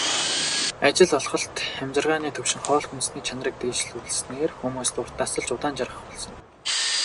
Ажил олголт, амьжиргааны түвшин, хоол хүнсний чанарыг дээшлүүлснээр хүмүүс урт насалж, удаан жаргах болсон.